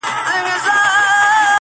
دوه شاهان په مملکت کي نه ځاییږي!!